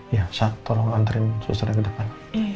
ya saya tolong anterin susulnya ke depan